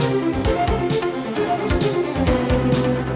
hẹn gặp lại